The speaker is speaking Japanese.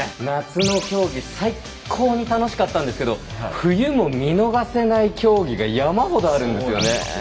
夏の競技最高に楽しかったんですけど冬も見逃せない競技が山ほどあるんですよね。